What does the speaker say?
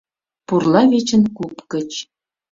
Пурла вечын, куп гыч.